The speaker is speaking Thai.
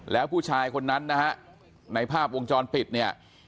แล้วผู้ชายคนนั้นนะฮะในภาพวงจรปิดเนี่ย